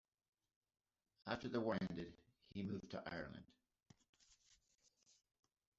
After the war ended, he moved to Ireland.